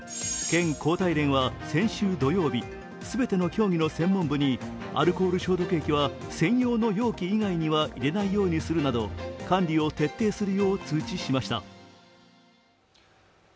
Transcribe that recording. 県高体連は先週土曜日、全ての競技の専門部に、アルコール消毒液は専用の容器以外には入れないようにするなど管理を徹底するよう通知しました。